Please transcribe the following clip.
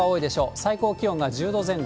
最高気温が１０度前後。